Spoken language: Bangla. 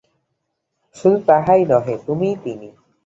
শুধু তাহাই নহে, তুমিই তিনি।